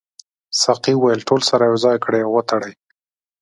ساقي وویل ټول سره یو ځای کړئ او وتړئ.